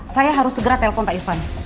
saya harus segera telpon pak ivan